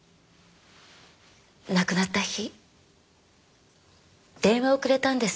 亡くなった日電話をくれたんです。